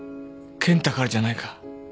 健太からじゃないか。